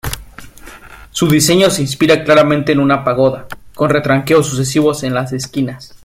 Su diseño se inspira claramente en una pagoda, con retranqueos sucesivos en las esquinas.